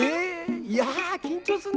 いや緊張するな！